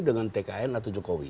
dengan tkn atau jokowi